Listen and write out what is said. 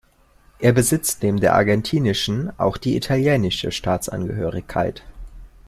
Er besitzt neben der argentinischen auch die italienische Staatsangehörigkeit.